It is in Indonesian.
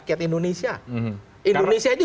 rakyat indonesia indonesia itu